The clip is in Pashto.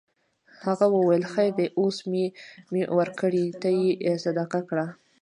هغه وویل خیر دی اوس مې ورکړې ته یې صدقه کړه.